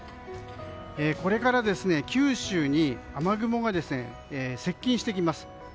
これから、九州に雨雲が接近してきます。